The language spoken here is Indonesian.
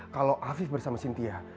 kalau afif bersama sintia